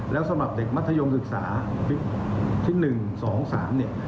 และสำหรับเด็กมัดยมศึกษาชั้น๑ชั้น๒ชั้น๓